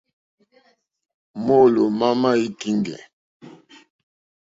Mɔ́ɔ̌lɔ̀ má má í kíŋɡɛ̀.